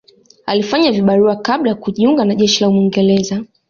Alifanya vibarua kabla ya kujiunga na jeshi la Mwingereza